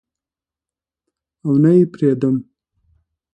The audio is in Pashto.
او نه یې پریدم